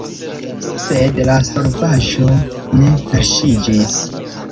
Sed la solvaĵo ne verŝiĝis.